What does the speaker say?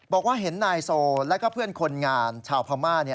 บอกว่าเห็นนายโซแล้วก็เพื่อนคนงานชาวพม่า